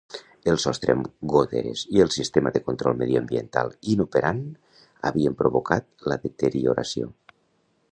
El sostre amb goteres i el sistema de control mediambiental inoperant havien provocat la deterioració.